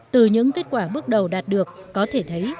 từ những kết quả bước đầu đạt được có thể thấy